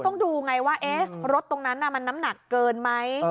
ต้องดูไงว่ารถตรงนั้นมันน้ำหนักเกินไหม